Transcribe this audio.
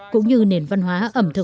cũng như nền văn hóa